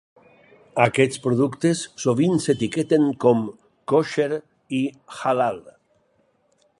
Aquests productes sovint s'etiqueten com kosher i halal.